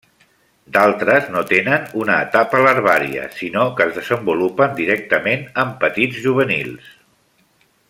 D'altres no tenen una etapa larvària, sinó que es desenvolupen directament en petits juvenils.